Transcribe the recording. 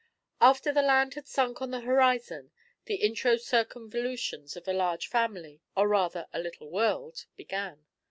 After the land had sunk on the horizon the intro circumvolutions of a large family, or rather a little world, began.